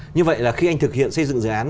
như vậy là khi anh thực hiện xây dựng dự án